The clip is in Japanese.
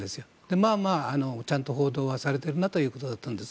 まあまあ、ちゃんと報道はされているなということだったんです。